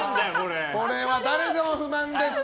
これは誰の不満ですか。